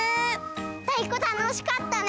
たいこたのしかったね！